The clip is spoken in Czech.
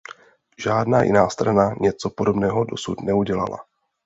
Žádná jiná strana něco podobného dosud neudělala.